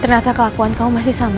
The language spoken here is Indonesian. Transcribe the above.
ternyata kelakuan kamu masih sama